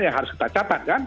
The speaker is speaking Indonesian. yang harus kita catat kan